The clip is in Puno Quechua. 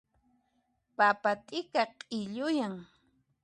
Papa t'ika q'illuyan.